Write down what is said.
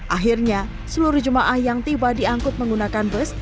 akhirnya seluruh jemaah yang tiba diangkut menggunakan bus